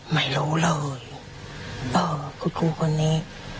ไม่รู้เลยเออคุณครูคนนี้